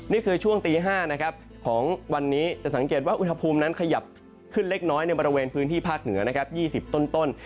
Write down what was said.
นี่คือช่วงตี๕นะครับของวันนี้จะสังเกตว่าอุณหภูมินั้นขยับขึ้นเล็กน้อยในบริเวณพื้นที่ภาคเหนือนะครับ๒๐ต้น